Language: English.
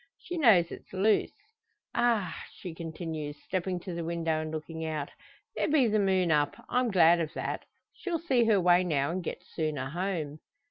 She knows it's loose. Ah!" she continues, stepping to the window, and looking out, "there be the moon up! I'm glad of that; she'll see her way now, and get sooner home."